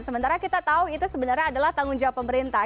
sementara kita tahu itu sebenarnya adalah tanggung jawab pemerintah